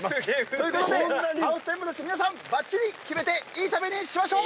ということでハウステンボスで皆さんバッチリキメていい旅にしましょう！